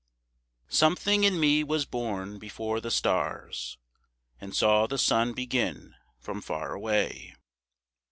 Something in me was born before the stars And saw the sun begin from far away.